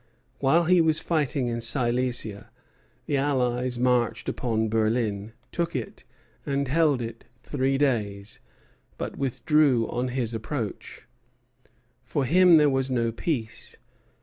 While he was fighting in Silesia, the Allies marched upon Berlin, took it, and held it three days, but withdrew on his approach. For him there was no peace.